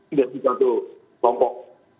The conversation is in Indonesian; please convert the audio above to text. ini satu kompok